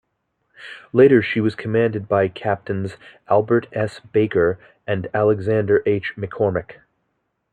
Later she was commanded by Captains Albert S. Barker and Alexander H. McCormick.